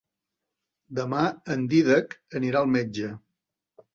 Demà en Dídac anirà al metge.